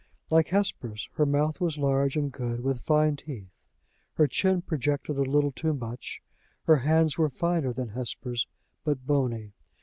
Like Hesper's, her mouth was large and good, with fine teeth; her chin projected a little too much; her hands were finer than Hesper's, but bony.